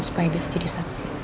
supaya bisa jadi saksi